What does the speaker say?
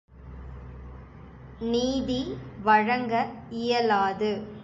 நீதி வழங்க இயலாது.